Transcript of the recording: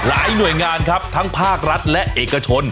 หน่วยงานครับทั้งภาครัฐและเอกชน